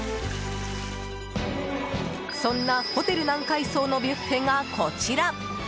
そんなホテル南海荘のビュッフェが、こちら。